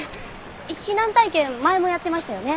避難体験前もやってましたよね？